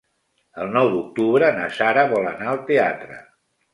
El nou d'octubre na Sara vol anar al teatre.